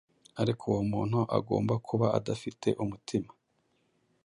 ariko uwo muntu agomba kuba adafite umutima